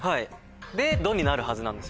で「ド」になるはずなんですよね。